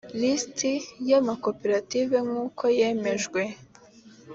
lisiti y’amakoperative nk’uko yemejwe